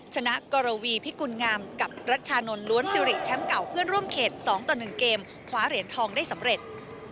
ชนะกรวีพิกุลงามกับรัชชานนทล้วนซิริแชมป์เก่าเพื่อนร่วมเขต๒ต่อ๑เกมคว้าเหรียญทองได้สำเร็จ